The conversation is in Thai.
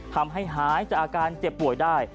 ทำให้หายจากอาการเจ็บป่วยได้